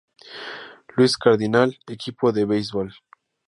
Louis Cardinal, equipo de baseball.